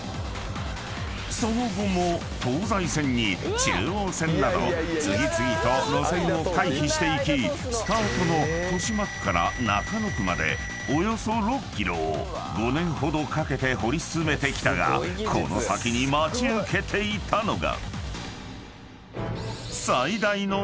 ［その後も東西線に中央線など次々と路線を回避していきスタートの豊島区から中野区までおよそ６ｋｍを５年ほどかけて掘り進めてきたがこの先に待ち受けていたのが］